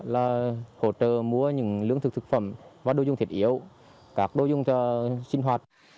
là hỗ trợ mua những lưỡng thực thực phẩm và đồ dùng thiết yếu các đồ dùng sinh hoạt